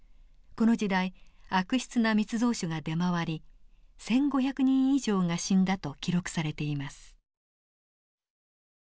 この時代悪質な密造酒が出回り１，５００人以上が死んだと記録されています。